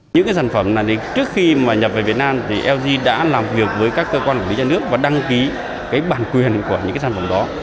những sản phẩm này trước khi nhập về việt nam lg đã làm việc với các cơ quan của nước và đăng ký bản quyền của những sản phẩm đó